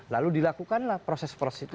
lalu dilakukanlah proses proses itu